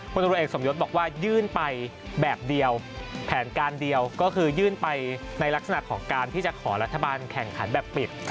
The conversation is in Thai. ตรวจเอกสมยศบอกว่ายื่นไปแบบเดียวแผนการเดียวก็คือยื่นไปในลักษณะของการที่จะขอรัฐบาลแข่งขันแบบปิด